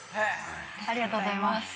ありがとうございます。